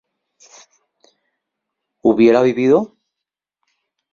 ¿hubiera vivido?